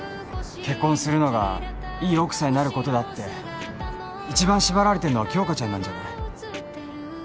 結婚するのがいい奥さんになることだって一番縛られてるのは杏花ちゃんなんじゃない？